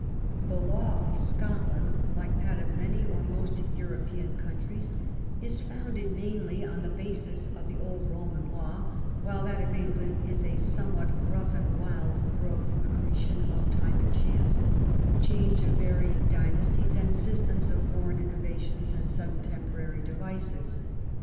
The law of Scotland, like that of many or most Euro 269 THE REIGN OP QUEEN ANNE pean countries, is founded mainly on the basis of the old Roman law, while that of England is a somewhat rough and wild grown accretion of time and chance, change of varying dynasties and systems, of foreign in novations, and sudden temporary devices.